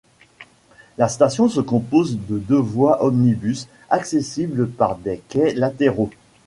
La station se compose de deux voies omnibus accessibles par des quais latéraux.